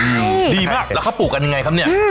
ดีมากแล้วเขาปลูกกันยังไงครับเนี่ย